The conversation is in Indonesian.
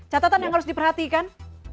catatan yang harus diperhatikan